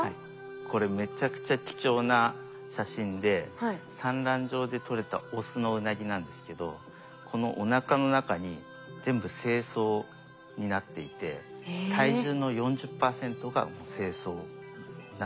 これめちゃくちゃ貴重な写真で産卵場でとれたオスのウナギなんですけどこのおなかの中に全部精巣になっていて体重の４０％が精巣になってるんです。